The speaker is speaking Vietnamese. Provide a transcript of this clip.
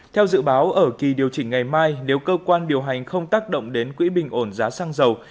theo dự báo ở kỳ điều chỉnh ngày mai nếu cơ quan điều hành không tác động đến quỹ bình ổn giá xăng dầu